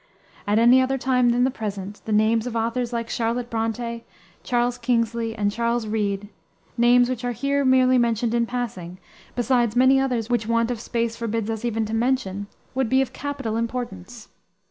At any other time than the present, the names of authors like Charlotte Bronté, Charles Kingsley, and Charles Reade names which are here merely mentioned in passing besides many others which want of space forbids us even to mention would be of capital importance.